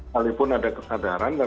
walaupun ada kesadaran